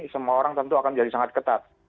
semua orang tentu akan menjadi sangat ketat